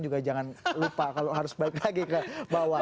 juga jangan lupa kalau harus balik lagi ke bawah